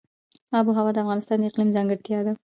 آب وهوا د افغانستان د اقلیم ځانګړتیا ده.